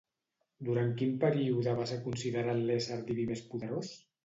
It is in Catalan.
Durant quin període va ser considerat l'ésser diví més poderós?